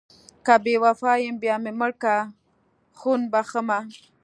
که بې وفا یم بیا مې مړه کړه خون بښمه...